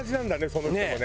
その人もね。